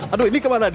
aduh ini kemana d